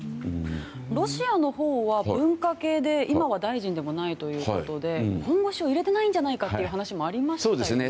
ロシアのほうは文科系で今は大臣でもないということで本腰を入れていないんじゃないかという話もありましたよね。